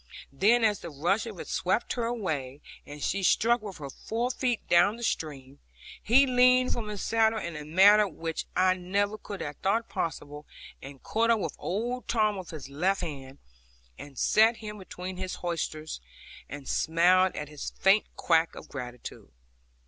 Then as the rush of it swept her away, and she struck with her forefeet down the stream, he leaned from his saddle in a manner which I never could have thought possible, and caught up old Tom with his left hand, and set him between his holsters, and smiled at his faint quack of gratitude.